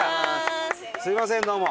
すいませんどうも。